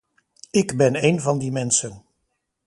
Ik ben een van die mensen.